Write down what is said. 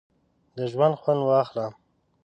د ژونده خوند واخله!